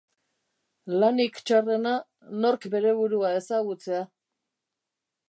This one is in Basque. Lanik txarrena nork bere burua ezagutzea.